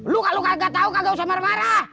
lo kalo kagak tau kagak usah marah marah